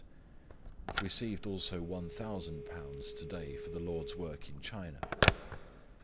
Received also One Thousand Pounds to day for the Lord's work in China.